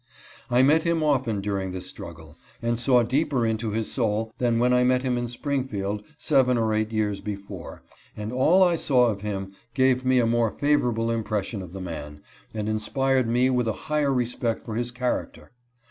I met him often during this struggle, and saw deeper into his soul than when I met him in Springfield seven or eight years HIS WORK IN KANSAS. 371 before, and all I saw of him gave me a more favorable impression of the man, and inspired me with a higher respect for his character.